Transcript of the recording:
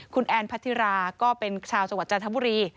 คุณแอนพัทธิราก็เป็นชาวจังหวัดจันทบุรี